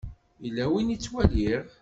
Yella win i ttwaliɣ.